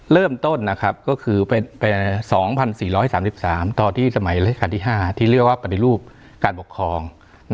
เริ่มต้นก็คือ๒๔๓๓ตอนที่สมัยราชการที่๕ที่เรียกว่าปฏิรูปการปกครอง